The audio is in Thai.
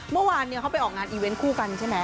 เมื่อวานเขาไปออกงานอีเวนต์คู่กันใช่ไหม